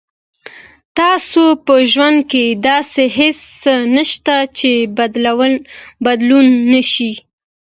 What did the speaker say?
تاسو په ژوند کې داسې هیڅ څه نشته چې بدلون نه شي.